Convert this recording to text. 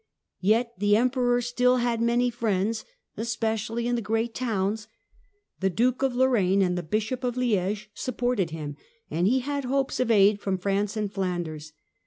Yet the Emperor still had many friends, especially in the great towns. The Duke of Lorraine and the Bishop of Liege supported him, and he had hopes of aid from France and Flanders.